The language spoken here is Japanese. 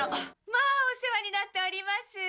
まあお世話になっております。